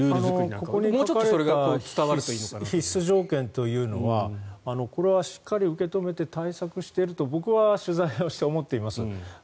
ここに書かれた必須条件というのはこれはしっかり受け止めて対策をしていると僕は取材をして思っています。